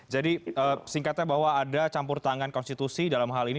jadi singkatnya bahwa ada campur tangan konstitusi dalam hal ini